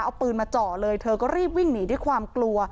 เอาปืนมาเจาะเลยเธอก็รีบวิ่งหนีด้วยความกลัว